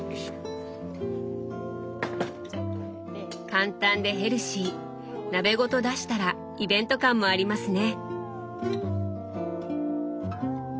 簡単でヘルシー鍋ごと出したらイベント感もありますね！